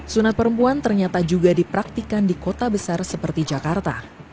sunat perempuan ternyata juga dipraktikan di kota besar seperti jakarta